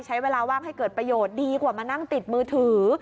ใช้เวลาว่างให้เกิดประโยชน์ดีกว่ามานั่งติดมือถือ